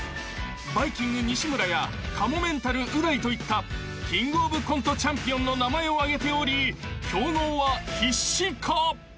［バイきんぐ西村やかもめんたるう大といったキングオブコントチャンピオンの名前を挙げており競合は必至か？］